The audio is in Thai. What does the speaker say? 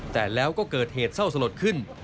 แต่แล้วก็เกิดเหตุเศร้าสลดขึ้น